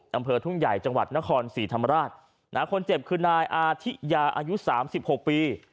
อำเภอทุ่งใหญ่จังหวัดนครศรีธรรมราชคนเจ็บคือนายอาทิยาอายุสามสิบหกปี